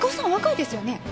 お若いですよね。